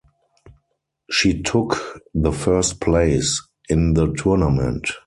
She took the first place in the tournament.